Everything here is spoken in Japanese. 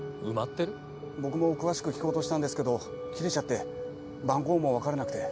僕も詳しく聞こうとしたんですけど切れちゃって番号も分からなくて。